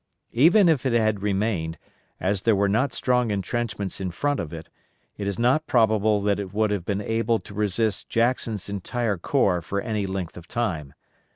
Even if it had remained, as there were not strong intrenchments in front of it, it is not probable that it would have been able to resist Jackson's entire corps for any length of time.